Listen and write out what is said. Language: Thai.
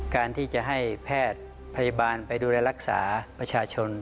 การที่จะให้แพทย์พยาบาลไปดูแลรักษาประชาชน